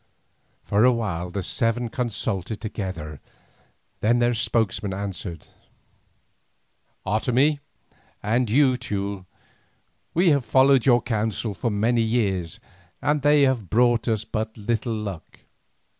For a while the seven consulted together, then their spokesman answered. "Otomie, and you, Teule, we have followed your counsels for many years and they have brought us but little luck.